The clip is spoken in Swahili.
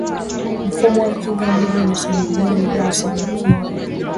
mfumo wa kinga mwili unashambuliwa na virusi vya ukimwi